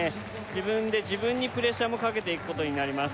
自分で自分にプレッシャーもかけていくことになります